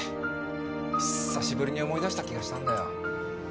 久しぶりに思い出した気がしたんだよ。